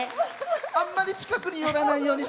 あんまり近くに寄らないように。